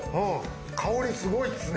香りすごいですね。